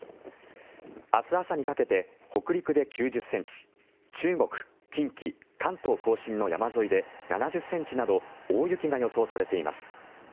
明日朝にかけて北陸で９０ｃｍ中国、近畿、関東・甲信の山沿いで７０ｃｍなど大雪が予想されています。